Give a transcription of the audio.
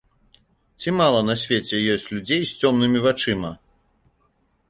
Ці мала на свеце ёсць людзей з цёмнымі вачыма?